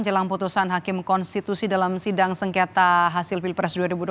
jelang putusan hakim konstitusi dalam sidang sengketa hasil pilpres dua ribu dua puluh